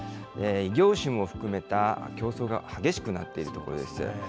異業種も含めた競争が激しくなっているところです。